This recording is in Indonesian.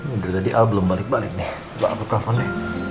udah tadi al belum balik balik nih bawa aku teleponnya